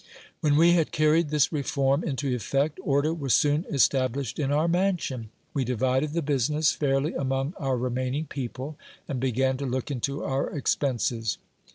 When we had carried this reform into effect, order was soon established in our mansion ; we divided the business fairly among our remaining people, and began to look into our expenses.